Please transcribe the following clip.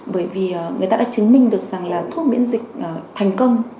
bởi vì người ta đã chứng minh được rằng là thuốc miễn dịch thành công